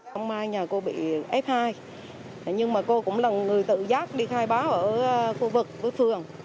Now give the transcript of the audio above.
hôm nay nhà cô bị f hai nhưng mà cô cũng là người tự giác đi khai báo ở khu vực của phường